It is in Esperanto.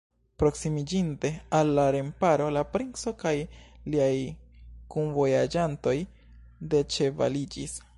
Proksimiĝinte al la remparo, la princo kaj liaj kunvojaĝantoj deĉevaliĝis.